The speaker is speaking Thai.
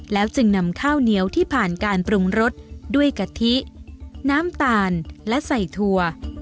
จึงนำข้าวเหนียวที่ผ่านการปรุงรสด้วยกะทิน้ำตาลและใส่ถั่ว